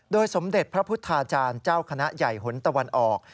สมเด็จพระพุทธาจารย์เจ้าคณะใหญ่หนตะวันออก